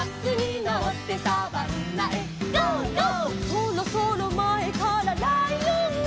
「そろそろ前からライオン」